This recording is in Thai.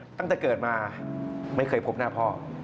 ตั้งแต่เกิดมาไม่เคยพบหน้าพ่อ